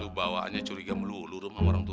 lu bawaannya curiga melulu rum sama orang tua